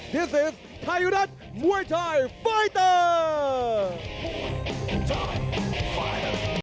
นี่คือไทยุรัตมวยไทยไฟเตอร์